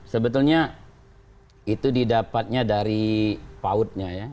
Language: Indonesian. sebetulnya itu didapatnya dari pautnya ya